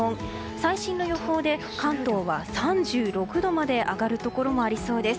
最新の予報で関東は３６度まで上がるところもありそうです。